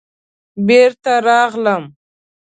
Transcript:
بېرته راغلم.